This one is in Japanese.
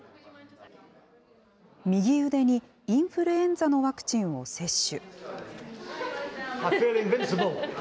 右腕にインフルエンザのワクチンを接種。